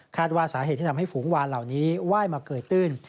ว่าสาเหตุที่ทำให้ฝูงวานเหล่านี้ไหว้มาเกยตื้น